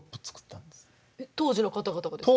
当時の方々がですか？